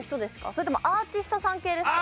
それともアーティストさん系ですか？